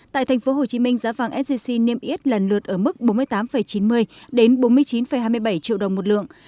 tại thành phố hồ chí minh giá vàng sgc niêm yết lần lượt ở mức bốn mươi tám chín mươi đến bốn mươi chín hai mươi bảy triệu đồng một lượng